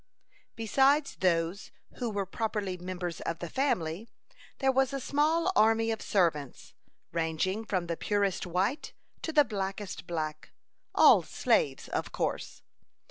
Besides those who were properly members of the family, there was a small army of servants, ranging from the purest white to the blackest black; all slaves, of course.